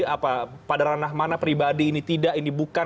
apa pada ranah mana pribadi ini tidak ini bukan